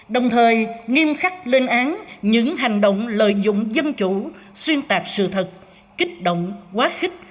đồng thời nghiêm khắc lên án những hành động lợi dụng dân chủ xuyên tạc sự thật kích động quá khích